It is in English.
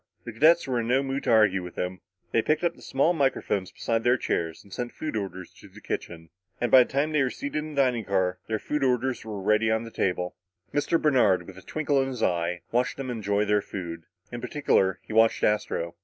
The cadets were in no mood to argue with him. They picked up the small microphones beside their chairs and sent food orders to the kitchen; and by the time they were seated in the dining car, their orders were ready on the table. Mr. Bernard, with a twinkle in his eye, watched them enjoy their food. In particular, he watched Astro.